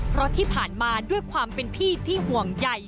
เพราะที่ผ่านมาด้วยความเป็นพี่ที่ห่วงใหญ่